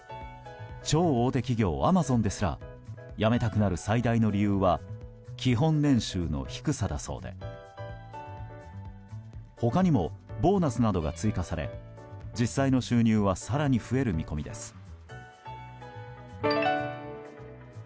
超大手企業アマゾンですら辞めたくなる最大の理由は基本年収の低さだそうで他にもボーナスなどが追加され実際の収入は更に増える見込みです。